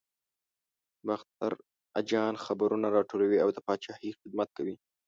باختر اجان خبرونه راټولوي او د پاچاهۍ خدمت کوي.